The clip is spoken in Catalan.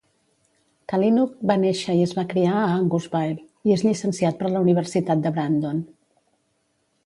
Kalynuk va néixer i es va criar a Angusville i és llicenciat per la Universitat de Brandon.